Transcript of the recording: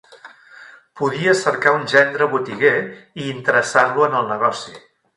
Podia cercar un gendre botiguer, i interessar-lo en el negoci.